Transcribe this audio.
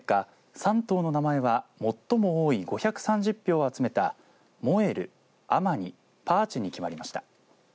３頭の名前は最も多い５３０票を集めたモエル、アマニ、パーチェに決まりました。